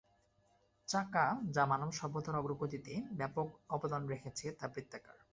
চাকা, যা মানব সভ্যতার অগ্রগতিতে ব্যাপক অবদান রেখেছে, তা বৃত্তাকার।